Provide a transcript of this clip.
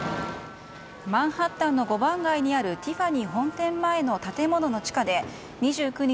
マンハッタンの５番街にあるティファニー本店前の建物の地下で２９日